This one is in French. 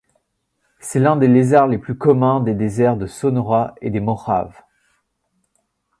C'est l'un des lézards les plus communs des déserts de Sonora et des Mojaves.